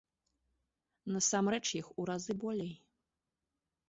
Насамрэч іх у разы болей.